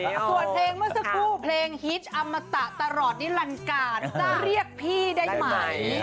ส่วนเพลงเมื่อสักครู่เพลงฮิตอมตะตลอดนิรันการจะเรียกพี่ได้ไหม